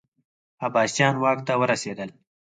عباسیان واک ته ورسېدل